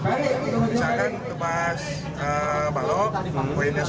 misalkan tebas balok poinnya sepuluh